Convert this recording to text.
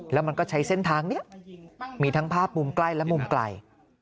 แล้วมันก็ใช้เส้นทางนี้มีทั้งภาพมุมใกล้และมุมไกล